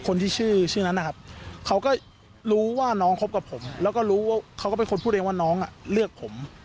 คนที่ชื่อชื่อนั้นนะครับเขาก็รู้ว่าน้องคบกับผมแล้วก็รู้ว่าเขาก็เป็นคนพูดเองว่าน้องเลือกผม